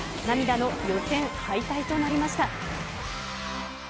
涙の予選敗退となりました。